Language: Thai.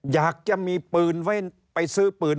อยากจะมีปืนไว้ไปซื้อปืน